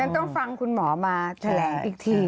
ต้องฟังคุณหมอมาแถลงอีกที